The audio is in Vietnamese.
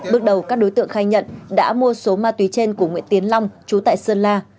bước đầu các đối tượng khai nhận đã mua số ma túy trên của nguyễn tiến long chú tại sơn la